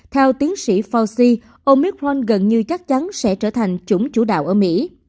theo tiến sĩ fauci omicron gần như chắc chắn sẽ trở thành chủng chủ đạo ở mỹ